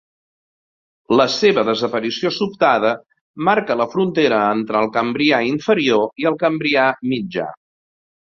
La seva desaparició sobtada marca la frontera entre el Cambrià Inferior i el Cambrià Mitjà.